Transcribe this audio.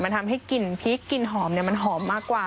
มันทำให้กลิ่นพริกกลิ่นหอมมันหอมมากกว่า